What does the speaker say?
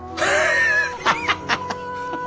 ハハハハ！